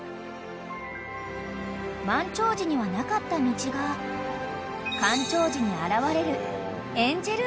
［満潮時にはなかった道が干潮時に現れる］